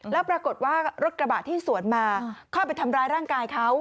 แล้วปรากฏว่ารถกระบะที่สวนมาเข้าไปทำร้ายร่างกายเขา